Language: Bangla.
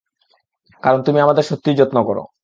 কারণ তুমি আমাদের সত্যিই যত্ন করো।